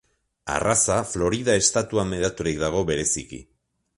Arraza Florida estatuan hedaturik dago bereziki.